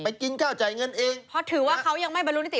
ไปกินข้าวจ่ายเงินเอง